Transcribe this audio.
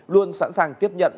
luôn sẵn sàng tiếp nhận